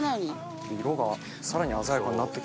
色がさらに鮮やかになって。